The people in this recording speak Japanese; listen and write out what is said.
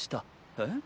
えっ？